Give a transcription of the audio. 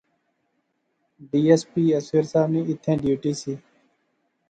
ڈی ایس پی اصغر صاحب نی ایتھیں ڈیوٹی سی